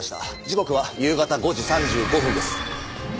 時刻は夕方５時３５分です。